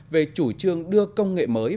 về chủ trương đưa công nghệ mới